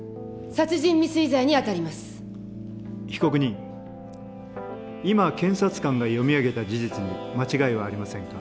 被告人今検察官が読み上げた事実に間違いはありませんか？